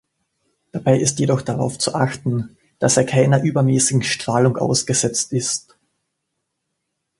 Dabei ist jedoch darauf zu achten, dass er keiner übermäßigen Strahlung ausgesetzt ist.